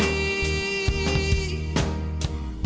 kau masih punya menit